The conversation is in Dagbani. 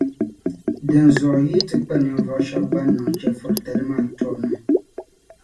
Dinzuɣu yi yi ti kpa ninvuɣu shɛba ban niŋ chεfuritali maa tobu ni